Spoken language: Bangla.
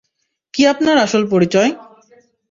কী আপনার আসল পরিচয়!